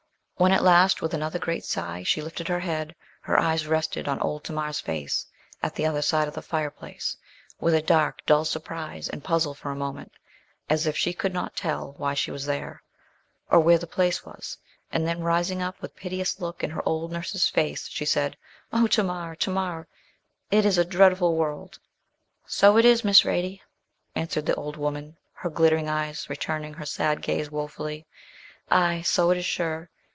When at last with another great sigh she lifted her head, her eyes rested on old Tamar's face, at the other side of the fire place, with a dark, dull surprise and puzzle for a moment, as if she could not tell why she was there, or where the place was; and then rising up, with piteous look in her old nurse's face, she said, 'Oh! Tamar, Tamar. It is a dreadful world.' 'So it is, Miss Radie,' answered the old woman, her glittering eyes returning her sad gaze wofully. 'Aye, so it is, sure!